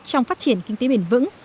trong phát triển kinh tế bền vững